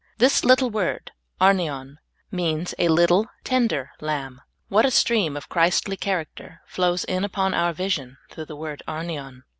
This little word ar7iion means a little, tender lajnb. What a stream of Christly character flows in upon our vision through the word a7mion.